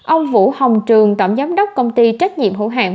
ông vũ hồng trường tổng giám đốc công ty trách nhiệm hữu hạng